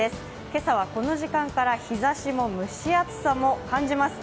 今朝はこの時間から日ざしも蒸し暑さも感じます。